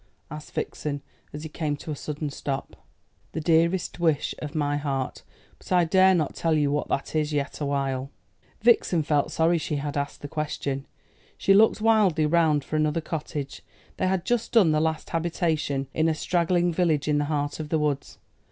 asked Vixen, as he came to a sudden stop. "The dearest wish of my heart. But I dare not tell you what that is yet awhile." Vixen felt very sorry she had asked the question. She looked wildly round for another cottage. They had just done the last habitation in a straggling village in the heart of the woods.